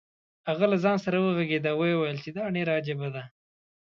هغه له ځان سره وغږېد او ویې ویل چې دا ډېره عجیبه ده.